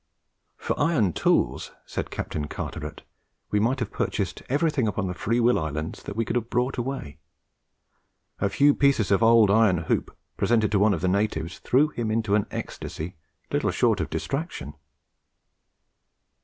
"For iron tools," says Captain Carteret, "we might have purchased everything upon the Freewill Islands that we could have brought away. A few pieces of old iron hoop presented to one of the natives threw him into an ecstasy little short of distraction."